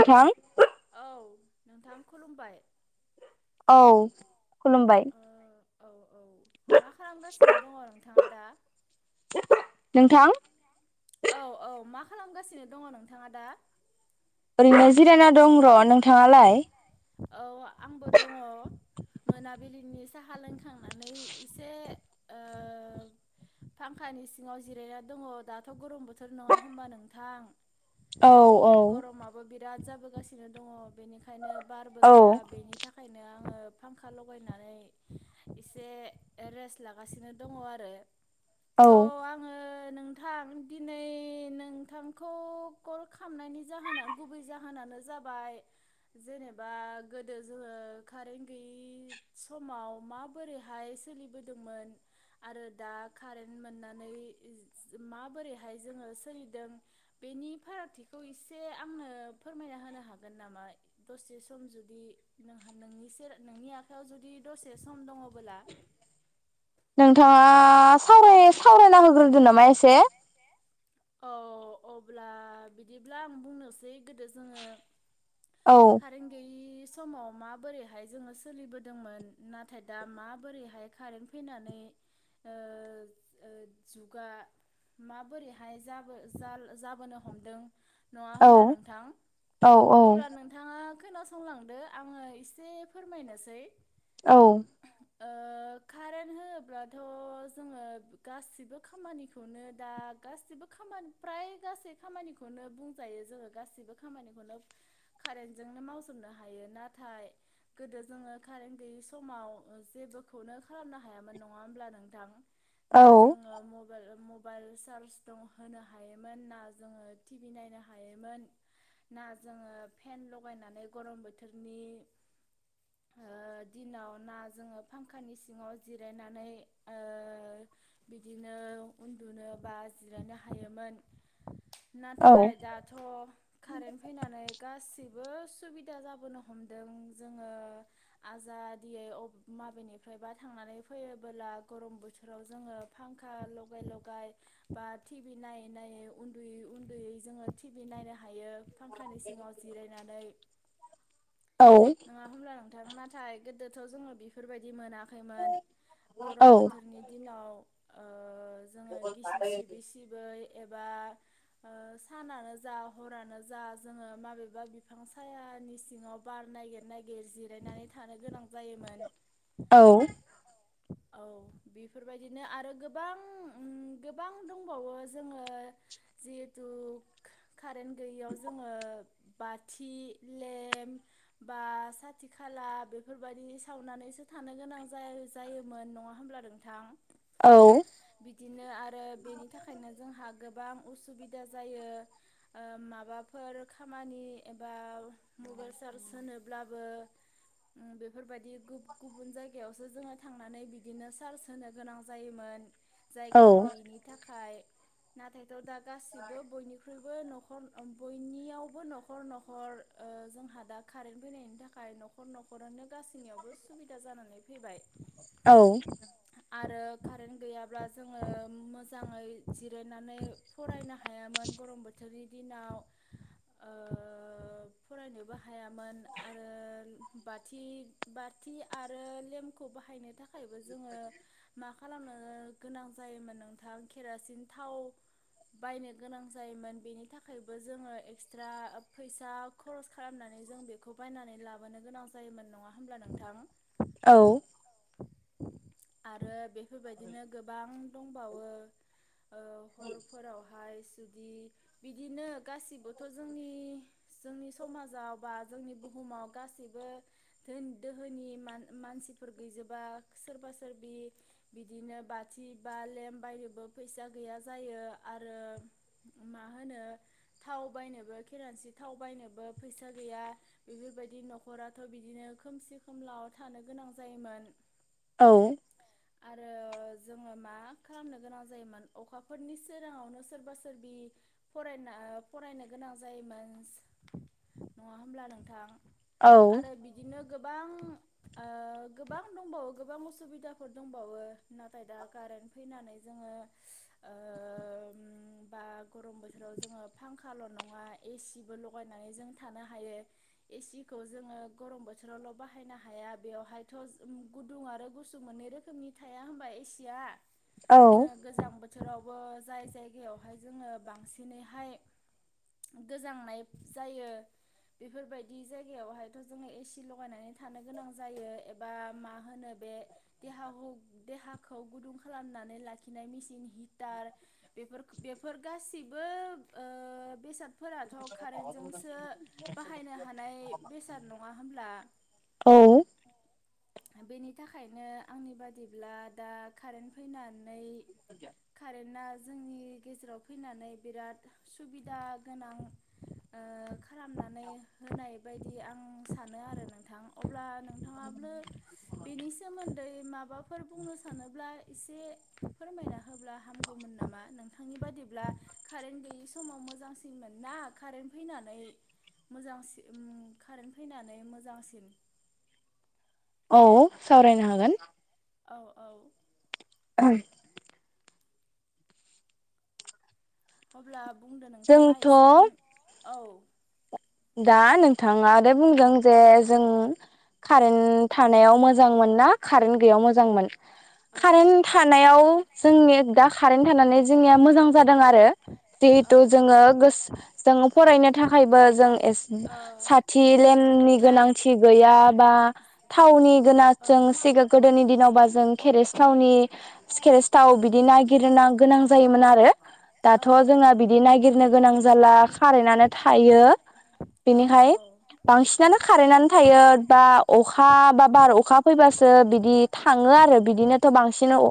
नोंथां औ नोंथां खुलुमबाय औ खुलुमबाय ओ औ औ मा खालामगासिनो दङ नोंथाङा दा? नोंथां औ औ मा खालामगासिनो दङ नोंथाङा दा? ओरैनो जिरायना दं र' नों थाङालाय औ आंबो दङ मोनाबिलिनि साहा लोंखांनानै एसे ओ फांखानि सिङाव जिरायना दङ दाथ गरम बोथोर नङा होमबा नोंथां। औ औ गरमाबो बिराद जा जाबोगासिनो दङ। बेनिखायनो बारबो औ गैया बेनि थाखा यनो आङो फांखा लगायनानै एसे रेस्ट लागासिनो दङ आरो। स' औ आङो नोंथां दिनै नोंथांखौ कल खामनायनि जाहोना गुबै जाहोनानो जाबाय जेनेबा गोदो जोङो कारेन्ट गैयै समाव माबोरैहाय सोलिबोदोंमोन आरो दा कारेन्ट मोननानै माबोरैहाय जोङो सोलिदों बेनि फारागथिखौ एसे आंनो फोरमायना होनो हागोन नामा? दसे सम जुदि नोंहा नोंनि नोंनि आखायाव जुदि दसे सम दङ नोंथाङा आ साव सावरायना होग्रोदो नामा एसे? औ अब्ला बिदिब्ला आं बुंनोसै गोदो जोङो औ खारेन्त गैयै समाव माबोरैहाय जोङो सोलिबोदोंमोन नाथाय दा माबोरैहाय कारेन फैनानै ओ ओ जुगा माबोरैहाय हाय जाबो जाबोनो हमदों नङा औ होमब्ला नोंथां? औ अब्ला नोंथाङा खोनासंलांदो आङो एसे फोरमायनोसै। औ ओ कारेन्ट होनोब्लाथ जोङो गासिबो खामानिखौनो दा गासिबो खामानि फ्राय गासै खामानिखौनो बुंजायो जोङो गासैबो खामानिखौनो कारेन्टजोंनो मावजोबनो हायो। नाथाय गोदो जोङो कारेन्ट गैयि समाव जेबोखौनो खालामनो हायामोन नङा होमब्ला नोंथां। औ ना जोङो म मबाइल सार्च होनो हायोमोन ना जोङो टि भि नायनो हायोमोन ना जोङो फेन लगायनानै गरम बोथोरनि दिनाव ना जोङो फांखानि सिङाव जिरायनानै ओ बिदिनो उन्दुनो बा जिरायनो हायोमोन औ नाथाय दाथ कारेन्ट फैनानै गासिबो बो सुबिदा जाबोनो हमदों जोङो आजादियै माबेनिफ्राय बा थांनानै फैयोबोला गरम बोथोराव जोङो फांखा लगाय लगाय बा टि भि नायै नायै उन्दुयै उन्दैयै जोङो टि भि नायनो हायो। फांखानि सिङाव जिरायनानै औ नङा होमब्ला नोंथां? ना थाय गोदोथ जोङो बेफोरबायदि मोना खैमोन गरम औ बोथोरनि दिनाव ओ जोङो गिसिब सिबै सिबै एबा सानानो जा हरानो जा जोङो माबेबा बिफां सायानि सिङाव बार नागिर नागिर जिरायनानै थानो गोनां जायोमोन। औ बेफोर बायदिनो आरो गोबां उम गोबां दंबावो जोङो जिहेथु कारेन्ट गैयैयाव जोङो बाथि लेम बा साथि खाला बेफोरबायदि सावनानैसो थानो गोनां जाय जायोमोन नङा होमब्ला नोंथां औ बिदिनो आ रो बेनि थाखायनो जोंहा गोबां उसुबिदा जायो ओ माबाफोर खामानि एबा मबाइल चार्ज होनोब्लाबो बेफोरबायदि गुबुन जायगायावसो जोङो थांनानै बिदिनो चार्ज होनो गोनां जायोमोन जायगायाव गैयैनि थाखाय नाथाय दा गासिबो बयनि- ख्रुइबो न'खर बयनियावबो न'खर न'खर ओ जोंहा दा कारेन्ट फैनायनि थाखाय न'खर न'खरानो गासैनियावबो सुबिदा जानानै फैबाय आरो कारेन्ट गैयाब्ला जोङो मोजाङै जिरायनानै फरायनो हायामोन गरम बोथोरनि दिनाव ओ फरायनोबो हायामोन आरो बाथि बाथि आरो लेम्पखौ बाहायनो थाखायबो जोङो मा खालामनो गोनां जायोमोन नोंथां केरासिन थाव बायनो गोनां जायोमोन बेनि थाखायबो जोङो एक्सट्रा फैसा खरस खालामनानै जों बेखौ बायनानै लाबोनो गोनां जायोमोन नङा होमब्ला नोंथां औ आरो बेफोरबायदिनो गोबां दंबावो ओ हरफोरावहाय जुदि बिदिनो गासिबोथ' जोंनि जोंनि समाजाव बा जोंनि बुहुमाव गासिबो धोनि दोहोनि मानसिफोर गैजोबा सोरबा सोरबि बिदिनो बाथि बा लेम्प बायनोबो फैसा गैया जायो आरो मा होनो थाव बायनोबो खेरासिन थाव बायनोबो फैसा गैया बेफोरबायदि न'खराथ' बिदिनो खोमसि खोमला थानो गोनां जायोमोन औ आरो जोङो मा खालामनो गोनां जायोमोन अखाफोरनि सोराङावनो सोरबा सोरबि फरायना फरायनो गोनां जायोमोन नङा होमब्ला नोंथां आरो बिदिनो गोबां ओ गोबां दंबावो गोबां असुबिदा फोर दंबावो नाथाय दा कारेन फैनानै जोङो ओ बा गरम बोथोराव जोङो पांखाल' नङा एसिबो लगायनानै जों थानो हायो एसि खौ जोंङो गरम बोथोरावल' बाहायनो हाया बेवहायथ'गुदुं आरो गुसु मोननै रोखोमनि थाया होनबा एसेआ औ जों गोजां बो थोरावबो जाय जायगायावहाय जोङो बांसिनैहाय गोजांनाय जायो बेफोरबायदि जायगायावहायथ' जोङो एसि लगायनानै थानो गोनां जायो एबा मा होनो बे देहाखौ देहाखौ गुदुं खालामनानै लाखिनाय मेसिन हिटार बेफोर बेफोर गासिबो ओ बेसाद फोराथ' कारेन्टजोंसो बाहायनो हानाय बेसाद नङा होनब्ला औ बेनि थाखायनो आंनि बादिब्ला दा कारेन्ट फैनानै मानोना जोंनि गेजेराव फैनानै बिराद सुबिदा गोनां ओ खालामनानै होनाय बायदि आं सानो आरो नोंथां अब्ला नोंथाङाबो बेनि सोमोन्दै माबा फोर बुंनो सानोब्ला एसे फोरमायना होब्ला हामगौमोन नामा नोंथांनि बादिब्ला कारेन्ट गैयि समाव मोजांसिनमोन ना कारेन्ट फैनानै मोजांसि उम कारेन्ट फैनानै मोजांसिन औ सावरायनो हागोन औ औ [unintelligible] अब्ला बुंदो नोंथाङा एसे जोंथ' नों औ दा नोंथाङा आरो बुंदों जे जों कारेन्ट थानायाव मोजांमोन ना कारेन्ट गैयैयाव मोजांमोन औ खारेन्ट थानायाव जोंनि दा खारेन्ट थानानै जोंनिया मोजां जादों आरो जिहेथु औ जोङो गोसो जों फरायनो थाखायबो जों ओ साथि लेमनि लाइट गोनांथि गैया बा थावनि औ गोनांजों गोदोनि दिनाव जों खेरासिन थावनि स्केस थाव बिदि नायगिरनो गोनां जायोमोन आरो औ दाथ' औ जोंहा बिदि नागिरनो गोनां जाला खारेनानो थायो बिनिखाय बांसिनानो खारेनो थायो बा अखा बा बार अखा फैबासो बिदि थाङो आरो बिदिनोथ' बांसिन आव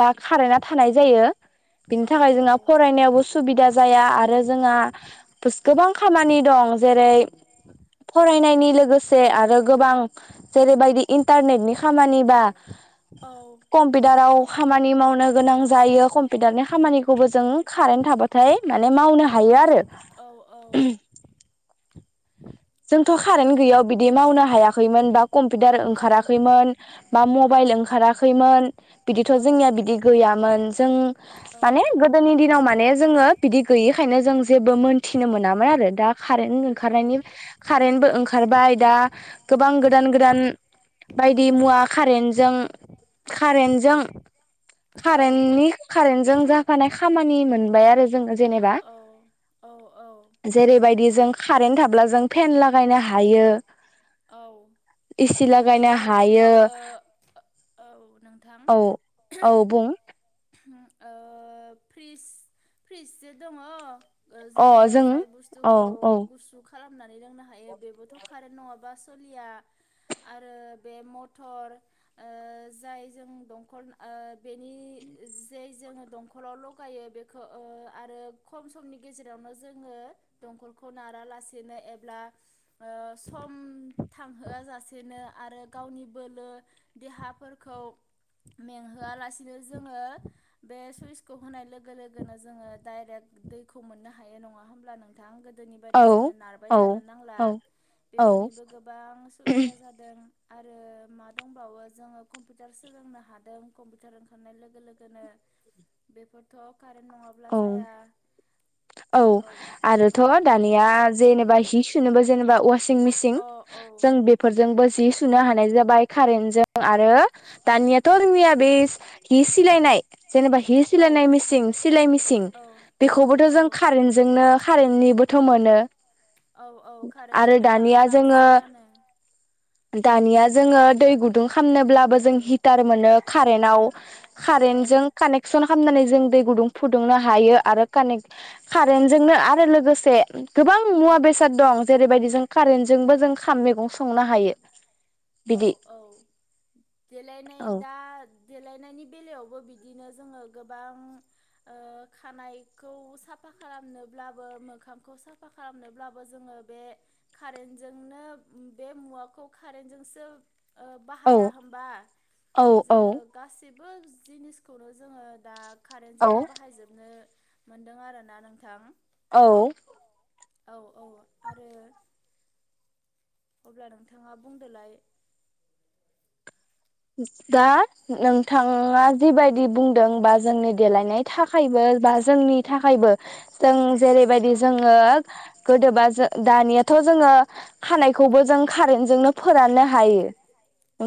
ला खारेना थानाय जायो बिनि थाखाय जोंहा फरायनायावबो सुबिदा जाया आरो जोंहा गोबां खामानि दं जेरै फरायनायनि लोगोसे आरो गोबां जेरैबायदि इन्टारनेटनि खामानिबा कम्पिउटाराव खामानि मावनो गोनां जायो कम्पिउटारनि खामानिखौबो जों खारेन्ट थाबा थाय माने मावनो औ हायो आरो औ जोंथ' खारेन्त आरो गैयियाव बिदि मावनो हायाखैमोन बा औ कम्पिउटार ओंखाराखैमोन बा औ मबाइल ओंखाराखैमोन बिदिथ' औ जोंनिया बिदि गैयामोन जों औ माने गोदोनि दिनाव माने जोङो बिदि गैयिखायनो जों जेबो मोन्थिनो मोनामोन आरो दा खारेन्ट औ ओंखारनायनि कारेन्टबो ओंखारबाय दा गोबां गोदान गोदान बायदि मुवा खारेन्टजों खारेन्टजों खारेननि खारेन्टजों जाफानाय खामानि मोन ओमफाय आरो जोङो जेनेबा औ औ जेरैबादि जों खारेन्त थाब्ला जों फेन लागायनो हायो औ एसि लागायनो बिदिनो हायो दंबावो औ नोंथां औ औ बुं ओ फ्रिस फ्रिसजे दङ अ जोङो जों जाय औ बुस्थुखौ औ गुसु खालामना रोंनो हायो बेबोथ' खारेन नङा बा सलिया आरो बे मथर ओ जायजों दमखल ओ बेनि जेइ जों दमखलाव लगायो बेखौ ओ आरो खम समनि गेजेरावनो जोङो दमखलखौ नारा लासिनो एबा स म थांहोआ जासेनो आरो गावनि बोलो देहाफोरखौ मेंहोआलासिनो जोङो बे सुइसखौ होनाय लोगो लोगोनो जोङो डाइरेक्ट दैखौ मोननो हायो नङा होमब्ला नोंथां गो दोनि बायदि औ जोङो नारबाय थानो नांला औ औ बेफोरनिबो गोबां सुबिदा जादों आरो मा दंबावो जोङो कम्पिउटार सोलोंनो हादों कम्पिउटार ओंखारनाय लोगो लोगोनो बेफोरथ' कारेन्ट नङाब्ला औ जाया औ औ आरोथ' दानिया जेनेबा हि सु थिनोबो जेनेबा ओवा सिं मिसिं अ औ जों बेफोरजोंबो जि सु सुनो हानाय जाबाय कारेन्ट जों आरो औ दानियाथ' जोंनिया बे हि सिलायनाय जेनेबा हि औ सिलायनाय मिसिं सिलाइ मेसिं औ बेखौबोथ' जों औ कारेन्टजोंनो कारेन्ट निबोथ' मोनो औ औ आरो कारेन्टजों बा दानिया जोङो बांसिनानो औ दानिया जोङो दै गुदुं खामनोब्लाबो जों कार मोनो‌ कारेनाव औ कारेनजों कानेकसन खामनानै जों दै गुदुं फुदुंनो हायो आरो कानेक कारेन्टजोंनो आरो लोगोसे गोबां मुवा बेसाद दं जेरैबायदि जों कारेन्टजोंबो जों खाम मैगं संनो हायो औ बिदि औ देलायनाय औ दा देलायनायनि बेलायावबो बिदिनो जोङो गोबां ओ खानाइखौ साफा खालामनोब्लाबो मोखांखौ साफा खालामनोब्लाबो जोङो बे कारेन्टजोंनो बे मुवाखौ कारेेनटजों ओ औ बाहाया होमबा जोङो औ गासिब बो जिनिसखौनो जोङो दा औ कारेन्टजोंनो बाहायजोबनो मोनदों आरोना नोंथां औ औ औ आरो अब्ला नोंथाङा बुंदोलाय दा नोंथाङा जिबायदि बुंदों बा जोंनि देलायनाय थाखायबो बा जोंनि थाखायबो जों जेरैबायदि औ जोङो गोदो बा जो दानियाथ' जोङो खानायखौबो जों कारेन्टजोंनो फोराननो हायो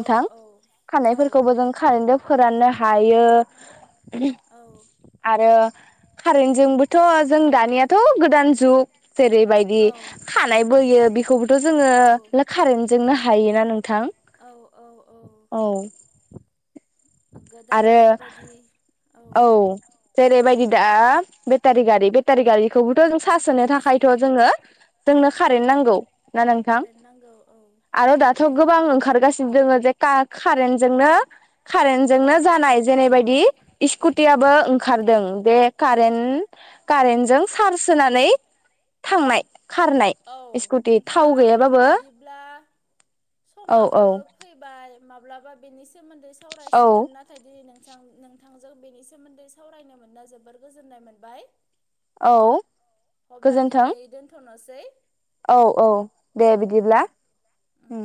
औ औ औ खानायफोरखौबो जों खारेनजों फोराननो हायो औ आरो कारेन्ट जोंबोथ' जों दानियाथ' गोदान जुग जेरैबायदि खानाय औ बोयो बेखौबोथ' जोङो कारेन्ट जोंनो हायोना नोंथां औ औ औ गो दा आरो बायदि बायदि औ जेरैबायदि दा बेटारि गारि बेटारि गारिखौबोथ' जों सार्स होनो थाखायथ' जोङो जोंनो औ कारेन्ट नांगौ ना नोंथां कारेन्ट नांगौ औ आरो दाथ' गोबां ओंखारगासिनो दोङो जे का कारेन्टजोंनो कारेन्ट औ नो जानाय जेनैबायदि स्कुटियाबो ओंखारदों बे औ कारेन कारेनजों चार्ज होनानै थांनाय खारनाय औ स्कुटि थाव नोंथां गैयाबाबो औ बिदिब्ला औ समाबो फैबाय माब्लाबा बेनि सोमोन्दै औ सावरायसिगोन नाथाय दिनै नों नोंथांजों बेनि सोमोन्दै सावरायनो मोननो जोबोर गोजोननाय मोनबाय औ अब्ला गोजोन्थों दिनै दोनथ'नोसै दै औ औ दे बिदिब्ला उम